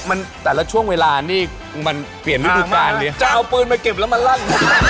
เฮ้ยแต่ละช่วงเวลานี่มันเปลี่ยนรู้สึกออกมากจะเอาปืนมาเก็บแล้วมาลั่ง